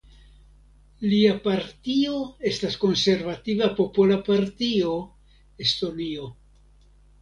Lia partio estas Konservativa popola partio (Estonio).